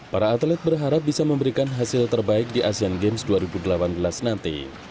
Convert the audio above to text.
para atlet berharap bisa memberikan hasil terbaik di asian games dua ribu delapan belas nanti